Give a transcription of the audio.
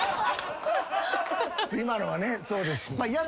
今のはねそうです。